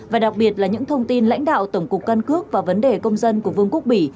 và đặc biệt là những thông tin lãnh đạo tổng cục căn cước và vấn đề công dân của vương quốc bỉ